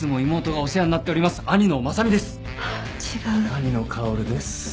兄の薫です。